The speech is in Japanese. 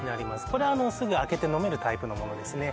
これすぐ開けて飲めるタイプのものですね